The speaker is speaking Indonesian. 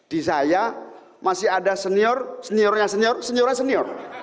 di saya masih ada senior seniornya seniornya senior